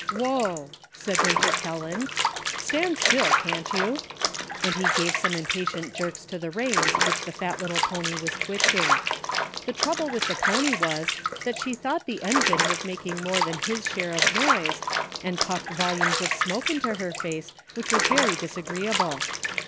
WHOA!" said Winter Kelland. "Stand still, can't you?" and he gave some impa tient jerks to the reins which the fat little pony was twitching. The trouble with the pony was, that she thought the engine was making more than his share of noise, and puffed volumes of smoke into her face, which was very disagreeable.